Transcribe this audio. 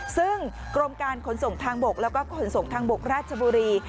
ซึ่งกรมการขนส่งทางบกแล้วก็ขนส่งทางบกราชบุรี